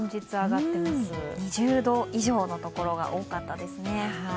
２０度以上の所が多かったですね。